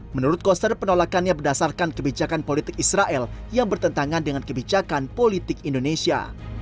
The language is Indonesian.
menurut koster penolakannya berdasarkan kebijakan politik israel yang bertentangan dengan kebijakan politik indonesia